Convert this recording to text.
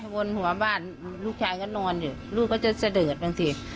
บนหัวบ้านลูกชายก็นอนอยู่ลูกก็จะเสดบางที